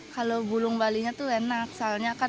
kalau bulung balinya enak